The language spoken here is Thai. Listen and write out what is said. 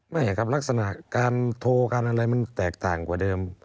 ไม่ครับลักษณะการโทรการอะไรมันแตกต่างกว่าเดิม